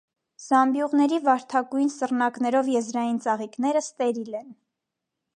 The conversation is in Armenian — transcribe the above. Զամբյուղների վարդագույն սռնակներով եզրային ծաղիկները ստերիլ են։